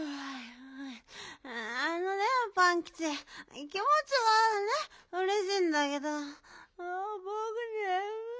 あのねパンキチきもちはねうれしいんだけどぼくねむい。